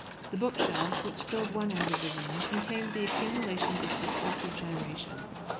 The bookshelves which filled one end of the room contained the accumulations of successive generations.